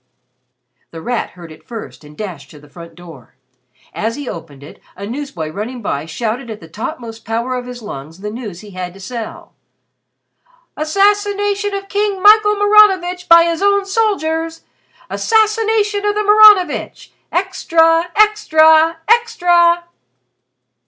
The Rat heard it first and dashed to the front door. As he opened it a newsboy running by shouted at the topmost power of his lungs the news he had to sell: "Assassination of King Michael Maranovitch by his own soldiers! Assassination of the Maranovitch! Extra! Extra! Extra!"